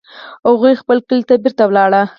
هغوی خپل کلي ته بیرته ولاړل